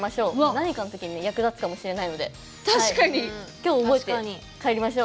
何かの時に役に立つかもしれないので今日、覚えて帰りましょう。